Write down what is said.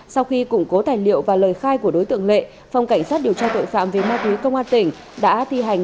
sau khi củng cố tài liệu và lời khai của đối tượng lệ phòng cảnh sát điều tra tội phạm về ma túy công an tỉnh đã thi hành